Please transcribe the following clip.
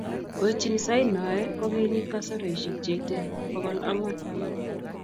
koitchini sait noe kokokinyit kasarosiek che itei bokol ang'wan.